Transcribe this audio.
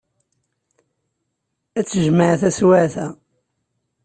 Ad t-jemɛeɣ taswiɛt-a.